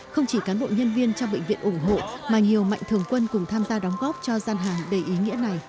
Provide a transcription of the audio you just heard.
không chỉ cán bộ nhân viên trong bệnh viện ủng hộ mà nhiều mạnh thường quân cùng tham gia đóng góp cho gian hàng đầy ý nghĩa này